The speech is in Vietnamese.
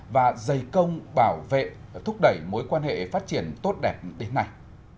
và dày công bảo vệ thúc đẩy mối quan hệ phát triển tốt đẹp đến nay